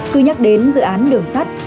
cứ nhắc đến dự án đường sắt